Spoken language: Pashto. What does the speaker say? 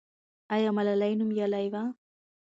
آیا ملالۍ نومیالۍ وه؟